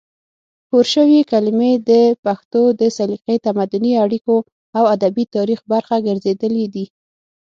پورشوي کلمې د پښتو د سلیقې، تمدني اړیکو او ادبي تاریخ برخه ګرځېدلې دي،